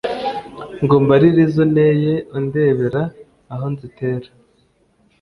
Ngo umbarire izo nteye Undebera aho nzitera?